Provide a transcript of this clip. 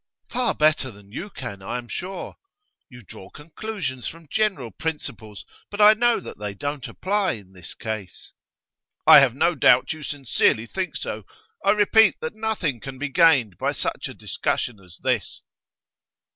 'Far better than you can, I am sure. You draw conclusions from general principles; but I know that they don't apply in this case.' 'I have no doubt you sincerely think so. I repeat that nothing can be gained by such a discussion as this.